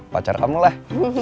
pacar kamu lah